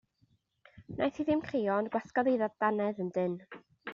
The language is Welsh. Wnaeth hi ddim crio, ond gwasgodd ei dannedd yn dynn.